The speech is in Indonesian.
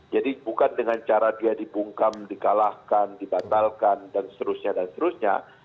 jadi bukan dengan cara dia dipungkam di kalahkan dibatalkan dan seterusnya dan seterusnya